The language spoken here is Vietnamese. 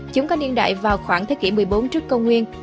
chúng có niên đại vào khoảng thế kỷ một mươi bốn trước công nguyên